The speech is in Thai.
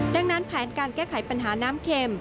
ดังนั้นแผนการแก้ไขปัญหาน้ำเข็ม